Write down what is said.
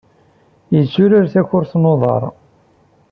Yetturar takurt n uḍar.